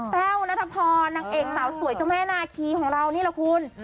แต้วนัทพรนางเอกสาวสวยเจ้าแม่นาคีของเรานี่แหละคุณ